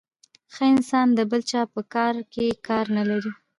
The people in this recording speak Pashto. ښه انسان د بل چا په کار کي کار نلري .